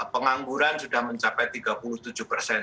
pengangguran sudah mencapai tiga puluh tujuh persen